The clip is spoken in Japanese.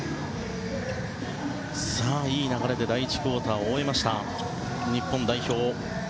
いい流れで第１クオーターを終えました日本代表。